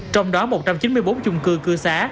trong đó một trăm chín mươi bốn chung cư cư xá